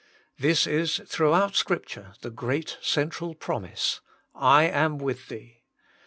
This is throughout Scripture the great central promise : I am with thee.